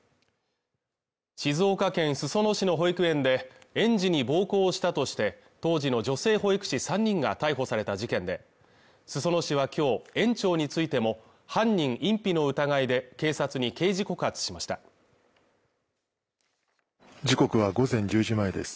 静岡県裾野市の保育園で園児に暴行をしたとして当時の女性保育士３人が逮捕された事件で裾野市はきょう園長についても犯人隠蔽の疑いで警察に刑事告発しました時刻は午前１０時前です